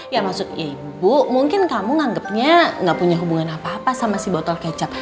ya maksudnya ibu mungkin kamu nganggepnya nggak punya hubungan apa apa sama si botol kecap